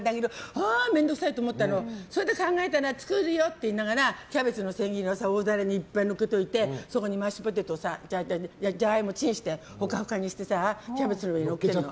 はあ面倒くさい！と思ったらそれで考えて作るよって言いながらキャベツの千切りを大皿にいっぱいのせておいてそこにジャガイモをチンしてホカホカにしてキャベツの上にのっけたの。